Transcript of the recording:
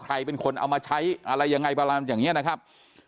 ใครเป็นคนเอามาใช้อะไรยังไงแบบนั้นอย่างเงี้ยนะครับ